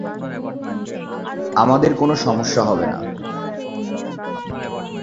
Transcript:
আমাদের কোনো সমস্যা হবে না।